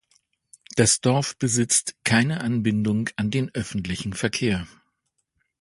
Das Dorf besitzt keine Anbindung an den öffentlichen Verkehr.